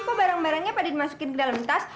kok barang barangnya pada dimasukin ke dalam tas